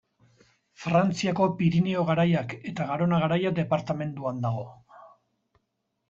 Frantziako Pirinio Garaiak eta Garona Garaia departamenduan dago.